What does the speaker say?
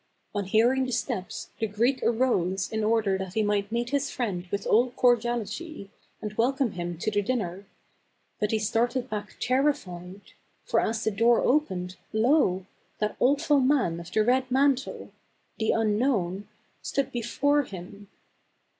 On hearing the steps the Greek arose in order that he might meet his friend with all cordi ality, and welcome him to the din ner. But he started back terrified; for as the door opened, lo ! that awful i man of the red mantle — the unknown^ — stood before him.